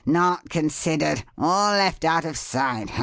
Not considered! All left out of sight!